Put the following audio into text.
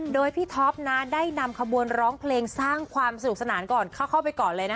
โดยพี่ท็อปได้นำขบวนร้องเพลงสร้างความสนุกสนานก่อนเข้าไปก่อนเลยนะ